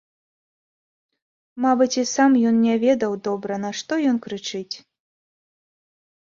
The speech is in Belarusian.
Мабыць, і сам ён не ведаў добра, нашто ён крычыць.